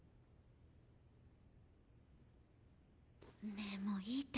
ねえもういいって。